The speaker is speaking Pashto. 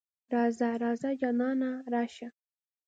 راځه ـ راځه جانانه راشه.